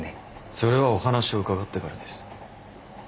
それはお話を伺ってからです。